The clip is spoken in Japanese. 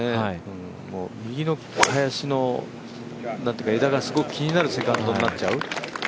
右の林の枝がすごく気になるセカンドになっちゃう。